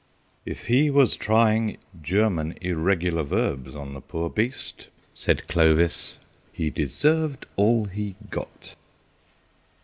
"If he was trying German irregular verbs on the poor beast," said Clovis, "he deserved all he got."